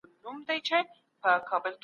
د قانون توجه نظريه ډېره مشهوره سوې ده.